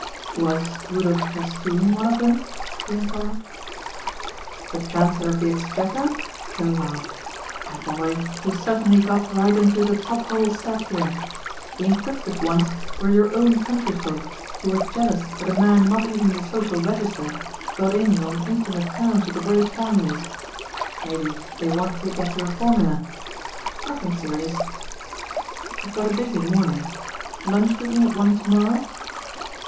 "Was Rudolph Castoon one of them?" he inquired. "The Chancellor of the Exchequer?" Hill laughed. "My boy you have certainly got right into the top hole set here. The inquisitive ones were your own countryfolk who were jealous that a man not even in the Social Register got in on intimate terms with the great families. Maybe they wanted to get your formula. Nothing serious. I've got a busy morning. Lunch with me at one tomorrow?"